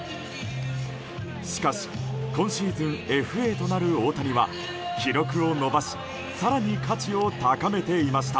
しかし今シーズンＦＡとなる大谷は記録を伸ばし更に価値を高めていました。